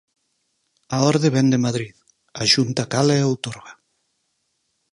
A orde vén de Madrid; a Xunta cala e outorga.